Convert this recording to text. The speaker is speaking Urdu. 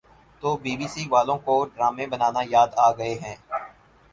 تو بی بی سی والوں کو ڈرامے بنانا یاد آگئے ہیں